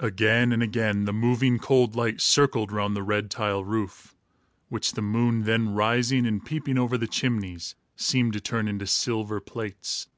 Again and again the moving, cold light circled round the red tile roof, which the moon, then rising and peeping over the chimneys, seemed to turn into silver plates.